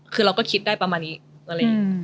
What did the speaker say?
คือเราก็คิดได้ประมาณนี้